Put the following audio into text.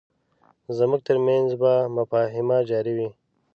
زموږ ترمنځ به مفاهمه جاري وي.